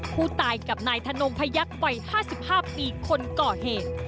ผู้ตายกับนายธนงพยักษ์วัย๕๕ปีคนก่อเหตุ